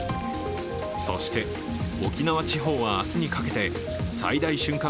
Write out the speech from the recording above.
そして沖縄地方は明日にかけて最大瞬間